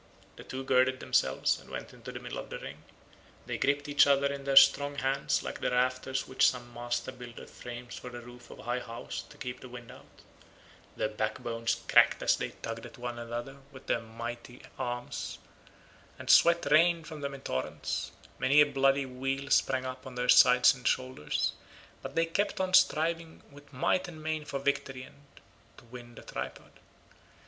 The two girded themselves and went into the middle of the ring. They gripped each other in their strong hands like the rafters which some master builder frames for the roof of a high house to keep the wind out. Their backbones cracked as they tugged at one another with their mighty arms—and sweat rained from them in torrents. Many a bloody weal sprang up on their sides and shoulders, but they kept on striving with might and main for victory and to win the tripod.